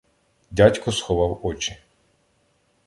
Дядько сховав очі.